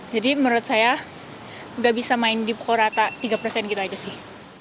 jadi menurut saya nggak bisa main di pokok rata tiga gitu aja sih